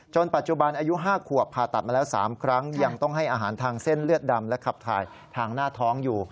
ปัจจุบันอายุ๕ขวบผ่าตัดมาแล้ว๓ครั้งยังต้องให้อาหารทางเส้นเลือดดำและขับถ่ายทางหน้าท้องอยู่